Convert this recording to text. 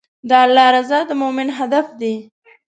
د الله رضا د مؤمن هدف دی.